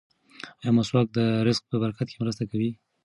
ایا مسواک د رزق په برکت کې مرسته کوي؟